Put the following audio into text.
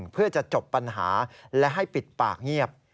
เพื่อจะจบปัญหาและให้ปิดปากเงียบ